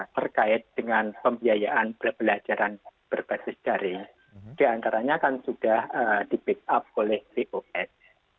terkait dengan pembiayaan belajaran berbasis dari diantaranya kan sudah di pick up oleh bos